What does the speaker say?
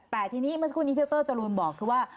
แต่ทีนี้เมื่อสักครู่นี้ที่ดรจรูนบอกคือว่า